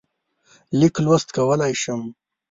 لیک لوست کولای شم.